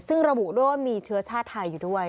ซึ่งระบุด้วยว่ามีเชื้อชาติไทยอยู่ด้วย